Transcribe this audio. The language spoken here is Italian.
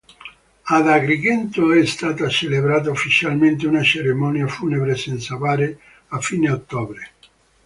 Ad Agrigento è stata celebrata ufficialmente una cerimonia funebre senza bare a fine ottobre.